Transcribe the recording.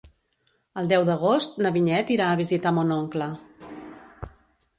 El deu d'agost na Vinyet irà a visitar mon oncle.